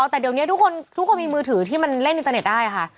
แต่เดี๋ยวนี้ทุกคนมีมือถือที่มันเล่นอินเตอร์เน็ตได้ค่ะ